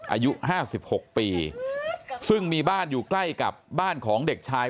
อายุห้าสิบหกปีซึ่งมีบ้านอยู่ใกล้กับบ้านของเด็กชาย